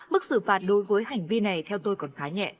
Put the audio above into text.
mức xử phạt đối với hành vi này theo tôi còn khá nhẹ